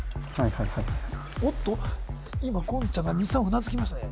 はいはいおっと今言ちゃんが２３うなずきましたね